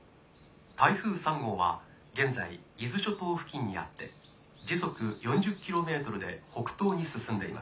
台風３号は現在伊豆諸島付近にあって時速４０キロメートルで北東に進んでいます。